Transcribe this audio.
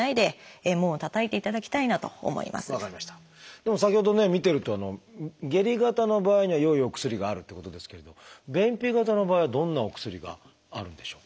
でも先ほどね見てると下痢型の場合には良いお薬があるってことですけれど便秘型の場合はどんなお薬があるんでしょうか？